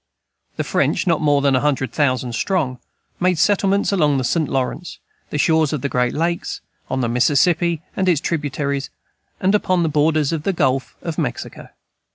The French, not more than a hundred thousand strong, made settlements along the St. Lawrence, the shores of the great lakes, on the Mississippi and its tributaries, and upon the borders of the gulf of Mexico.